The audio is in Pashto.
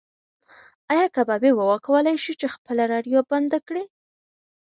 ایا کبابي به وکولی شي چې خپله راډیو بنده کړي؟